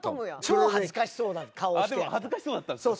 でも恥ずかしそうだったんですね。